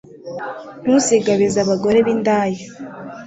ntuzigabize abagore b'indaya